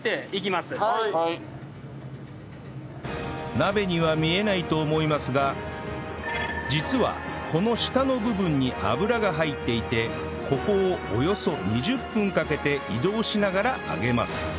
鍋には見えないと思いますが実はこの下の部分に油が入っていてここをおよそ２０分かけて移動しながら揚げます